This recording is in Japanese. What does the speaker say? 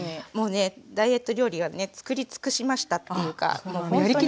もうねダイエット料理は作り尽くしましたっていうか。